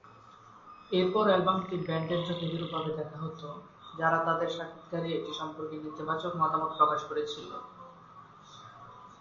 এরপর অ্যালবামটি ব্যান্ডের চোখে বিরূপ ভাবে দেখা হতো, যারা তাদের সাক্ষাৎকারে এটি সম্পর্কে নেতিবাচক মতামত প্রকাশ করেছিল।